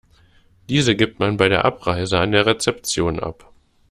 Diese gibt man bei der Abreise an der Rezeption ab.